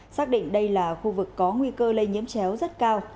xác định đây là khu vực có nguy cơ lây nhiễm chéo rất cao